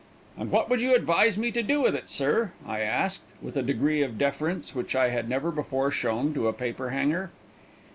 "And what would you advise me to do with it, sir?" I asked, with a degree of deference which I had never before shown to a paper hanger.